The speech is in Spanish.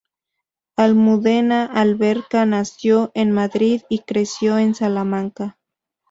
Almudena Alberca nació en Madrid y creció en Salamanca.